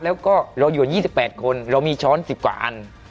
แล้วก็เราอยู่๒๘คนเรามีช้อน๑๐กว่าอัน